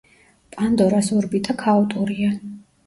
პანდორას ორბიტა ქაოტურია.